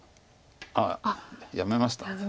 あっやめました。